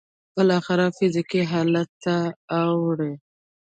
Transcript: بالاخره فزيکي حالت ته اوړي.